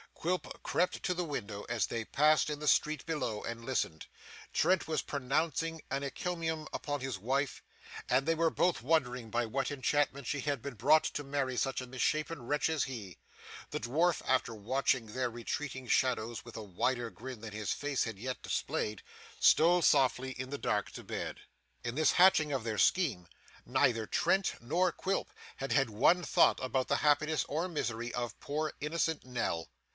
Quilp crept to the window as they passed in the street below, and listened. Trent was pronouncing an encomium upon his wife, and they were both wondering by what enchantment she had been brought to marry such a misshapen wretch as he. The dwarf after watching their retreating shadows with a wider grin than his face had yet displayed, stole softly in the dark to bed. In this hatching of their scheme, neither Trent nor Quilp had had one thought about the happiness or misery of poor innocent Nell.